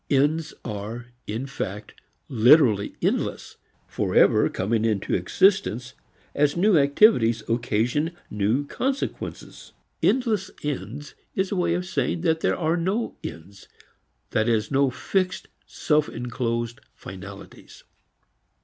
Ends are, in fact, literally endless, forever coming into existence as new activities occasion new consequences. "Endless ends" is a way of saying that there are no ends that is no fixed self enclosed finalities.